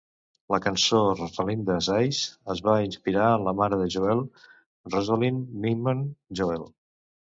La cançó "Rosalinda's Eyes" es va inspirar en la mare de Joel, Rosalind Nyman Joel.